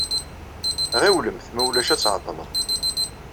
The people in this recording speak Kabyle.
Ɣiwlemt ma ulac ad tɛeḍḍled.